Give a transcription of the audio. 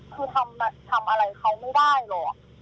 คือทำอะไรเขาไม่ได้หรอก